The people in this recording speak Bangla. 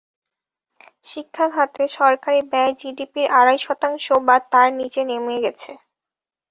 শিক্ষা খাতে সরকারি ব্যয় জিডিপির আড়াই শতাংশ বা তার নিচে নেমে গেছে।